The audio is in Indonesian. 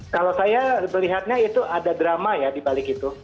kalau saya melihatnya itu ada drama ya dibalik itu